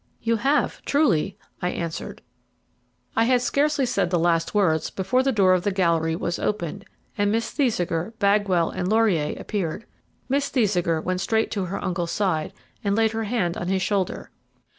"You have, truly," I answered. I had scarcely said the last words before the door of the gallery was opened, and Miss Thesiger, Bagwell, and Laurier appeared. Miss Thesiger went straight to her uncle's side, and laid her hand on his shoulder.